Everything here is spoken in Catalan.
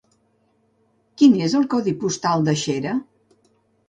Quin és el codi postal de Xera?